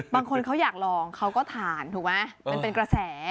บางคนเขาอยากลองเขาก็ทานถูกไหมมันเป็นกระแส